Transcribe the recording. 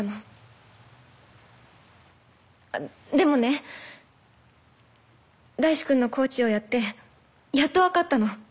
でもね大志くんのコーチをやってやっと分かったの。